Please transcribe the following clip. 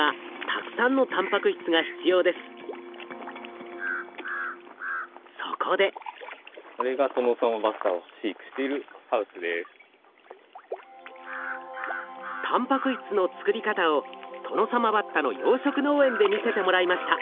たんぱく質の作り方をトノサマバッタの養殖農園で見せてもらいました。